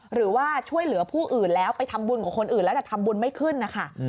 หรือว่าช่วยเหลือผู้อื่นแล้วไปทำบุญกับคนอื่นแล้วแต่ทำบุญไม่ขึ้นนะคะ